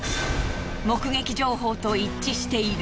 目撃情報と一致している。